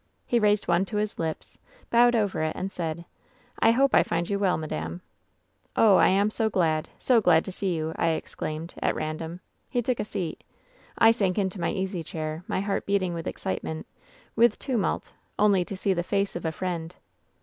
"He raised one to his lips, bowed over it, and said :" *I hope I find you well, madame.^ " 'Oh ! I am so glad — so glad to see you I' I exclaimed, at random. "He took a seat. "I sank into my easy chair, my heart beating with ex citement, with tumult, only to see the face of a friend.